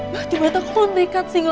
waktu berta pun dekat singapura